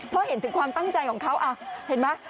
พอเห็นถึงความตั้งใจของเขาเห็นไหม